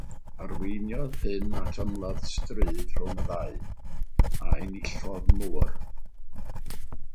Arweiniodd hyn at ymladd stryd rhwng y ddau, a enillodd Moore.